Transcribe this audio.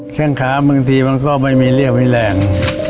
ข้างขาบางทีมันก็ไม่มีเรี่ยวมีแรง